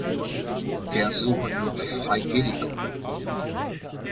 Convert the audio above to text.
Wir suchen noch Freiwillige.